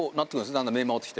だんだん目回ってきて。